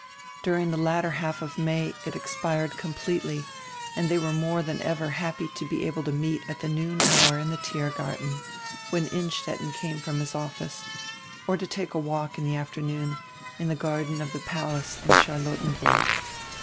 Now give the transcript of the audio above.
During the latter half of May it expired completely and they were more than ever happy to be able to meet at tire noon hour in tire Tiergarten, when Innstetten came from his office, or to take a walk in the afternoon to the garden of the Palace in Charlottenhurg.